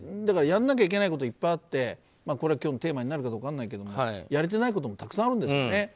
やらなきゃいけないことはいっぱいあって今日のテーマになるか分からないけどもやれてないこともたくさんあるんですよね。